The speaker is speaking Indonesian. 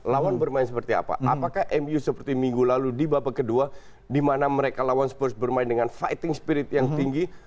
lawan bermain seperti apa apakah mu seperti minggu lalu di babak kedua di mana mereka lawan spurs bermain dengan fighting spirit yang tinggi